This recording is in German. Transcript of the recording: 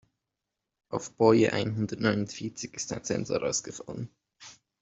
Auf Boje einhundertneunundvierzig ist ein Sensor ausgefallen.